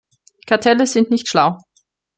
Kartelle sind nicht schlau.